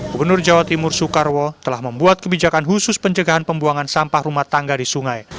gubernur jawa timur soekarwo telah membuat kebijakan khusus pencegahan pembuangan sampah rumah tangga di sungai